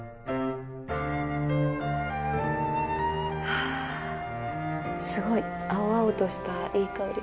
はあすごい青々としたいい香りです。